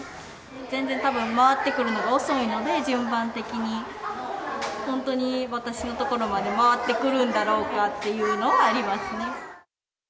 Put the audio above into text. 全然、たぶん回ってくるのが遅いので、順番的に本当に私のところまで回ってくるんだろうかっていうのはありますね。